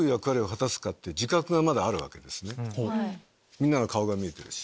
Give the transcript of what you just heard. みんなの顔が見えてるし。